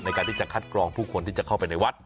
ในการที่จะคัดกรองผู้คนที่จะเข้าไปในวัด